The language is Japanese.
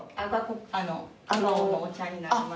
カカオのお茶になります。